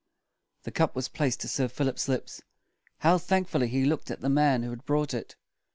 The cup was placed to Sir Philip's lips. How thank ful ly he looked at the man who had brought it!